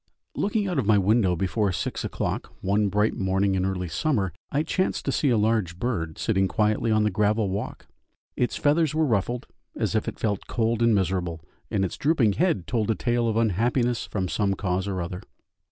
Looking out of my window before six o'clock one bright morning in early summer, I chanced to see a large bird sitting quietly on the gravel walk. Its feathers were ruffled as if it felt cold and miserable, and its drooping head told a tale of unhappiness from some cause or other.